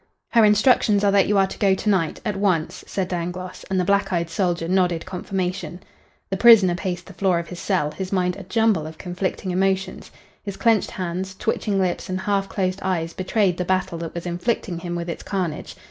"Her instructions are that you are to go tonight, at once," said Dangloss, and the black eyed soldier nodded confirmation. The prisoner paced the floor of his cell, his mind a jumble of conflicting emotions. His clenched hands, twitching lips and half closed eyes betrayed the battle that was inflicting him with its carnage.